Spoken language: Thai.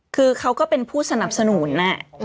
คือเขาก็เป็นผู้สนับสนุน